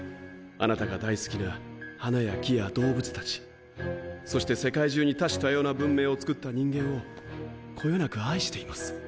あなたが大好きな花や木や動物達そして世界中に多種多様な文明を作った人間をこよなく愛しています。